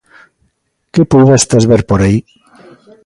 Que puidestes ver por aí?